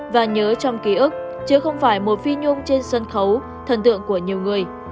và nhớ trong ký ức chứ không phải một phi nhung trên sân khấu thần tượng của nhiều người